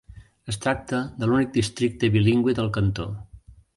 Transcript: Es tracta de l'únic districte bilingüe del cantó.